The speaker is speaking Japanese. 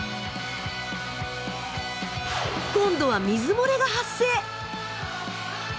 今度は水漏れが発生。